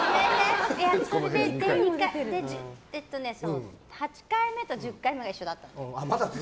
それで８回目と１０回目が一緒だったの。